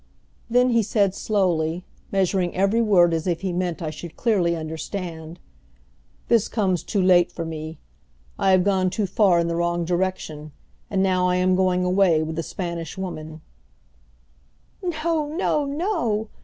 Then he said slowly, measuring every word as if he meant I should clearly understand: "This comes too late for me. I have gone too far in the wrong direction, and now I am going away with the Spanish Woman." "No, no, no!"